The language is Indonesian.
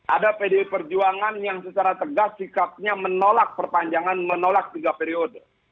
ada pdi perjuangan yang secara tegas sikapnya menolak perpanjangan menolak tiga periode